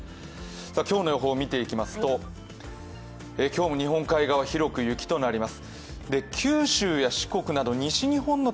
今日の予報を見ていきますと、今日も日本海側は広く雪となります。